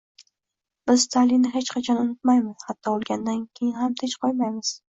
Biz Stalinni hech qachon unutmaymiz, hatto o’lganda ham tinch qo’ymaymiz!